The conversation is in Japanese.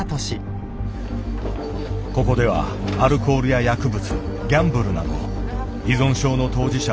ここではアルコールや薬物ギャンブルなど依存症の当事者